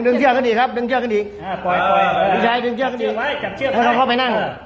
ดึงเสื้อครับดึงเสื้อกันอีกอ่าปล่อยปล่อย